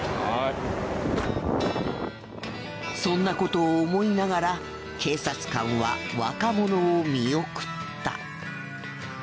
そんなことを思いながら警察官は若者を見送った。